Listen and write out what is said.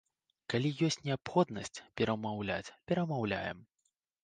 Калі ёсць неабходнасць перамаўляць, перамаўляем.